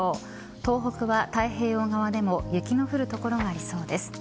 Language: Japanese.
東北は太平洋側でも雪の降る所がありそうです。